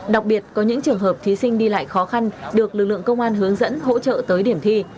đặc biệt có những trường hợp thí sinh đi lại khó khăn được lực lượng công an hướng dẫn hỗ trợ tới điểm thi